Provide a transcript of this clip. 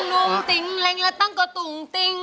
ติ๊งนุ่งนุ่งติ๊งแรงและตังก็ตุ๋งติ๊ง